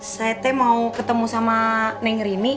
saya mau ketemu sama neng rini